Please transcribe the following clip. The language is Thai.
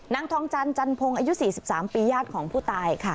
นางทองจันจันพงศ์อายุ๔๓ปีญาติของผู้ตายค่ะ